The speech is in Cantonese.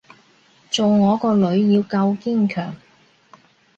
做我個女要夠堅強